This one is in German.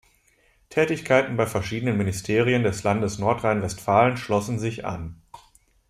Tätigkeiten bei verschiedenen Ministerien des Landes Nordrhein-Westfalen schlossen sich an.